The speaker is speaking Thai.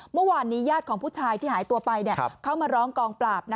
เมื่อวานนี้ยาดของผู้ชายที่หายตัวไปเขามาร้องกองปราบ